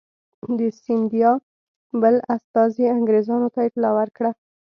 د سیندیا بل استازي انګرېزانو ته اطلاع ورکړه.